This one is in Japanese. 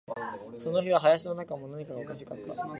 その日は林の中も、何かがおかしかった